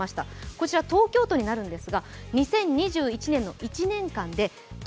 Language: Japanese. こちら、東京都になります。